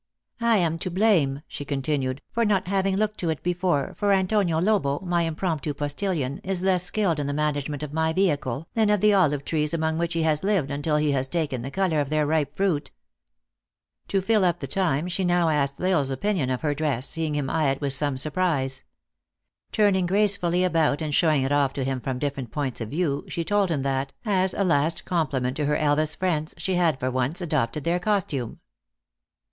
" I am to blame," she continued, " for not having looked to it before, for Antonio Lobo, my impromptu postillion, is less skilled in the manage ment of my vehicle, than of the olive trees among which he has lived until he has taken the color of their ripe fruit." To fill up the time she now asked L Isle s opinion of her dress, seeing him eye it with some surprise. Turning gracefully about and showing it off to him from different points of view, she told him that, as a last compliment to her Elvas friends, she had, for once, adopted their costume.